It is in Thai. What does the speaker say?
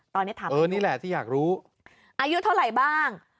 ตอนนี้ถามเออนี่แหละที่อยากรู้อายุเท่าไหร่บ้าง